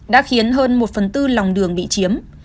đã khiến hơn một phần tư lòng đường bị chiếm